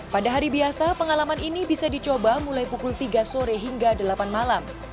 pada hari biasa pengalaman ini bisa dicoba mulai pukul tiga sore hingga delapan malam